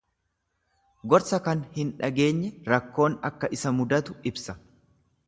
Gorsa kan hin dhageenye rakkoon akka isa mudatu ibsa.